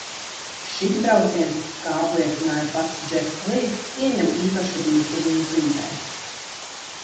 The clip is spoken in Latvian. Šis brauciens, kā apliecināja pats Džets Lī, ieņem īpašu vietu viņa dzīvē.